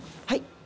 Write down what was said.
はい。